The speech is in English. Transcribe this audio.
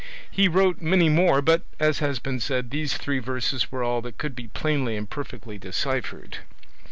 He wrote many more, but, as has been said, these three verses were all that could be plainly and perfectly deciphered.